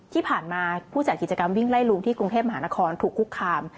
ที่ผ่านมาผู้จัดกิจกรรมวิ่งไล่ลุงที่กรุงเทพมหานครถูกคุกคาม